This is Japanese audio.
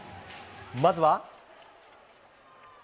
まずは。